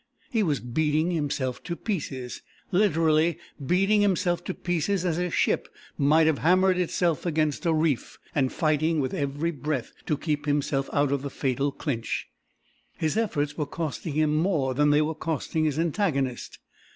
He was beating himself to pieces, literally beating himself to pieces as a ship might have hammered itself against a reef, and fighting with every breath to keep himself out of the fatal clinch. His efforts were costing him more than they were costing his antagonist.